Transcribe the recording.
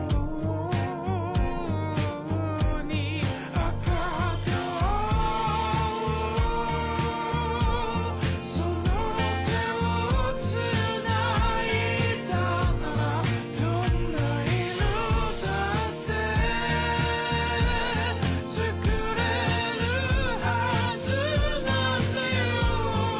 赤と青その手を繋いだならどんな色だってつくれるはずなんだよ